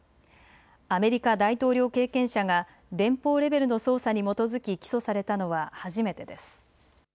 アメリカ大統領経験者が連邦レベルの捜査に基づき起訴されたのは初めてです。